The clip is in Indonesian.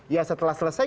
ya setelah selesai